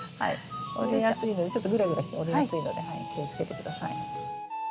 折れやすいのでちょっとグラグラして折れやすいので気をつけて下さい。